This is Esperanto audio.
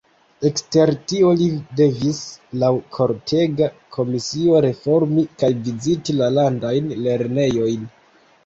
Ekster tio li devis laŭ kortega komisio reformi kaj viziti la landajn lernejojn.